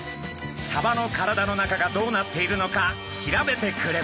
サバの体の中がどうなっているのか調べてくれました。